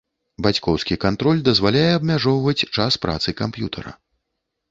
Бацькоўскі кантроль дазваляе абмяжоўваць час працы камп'ютара.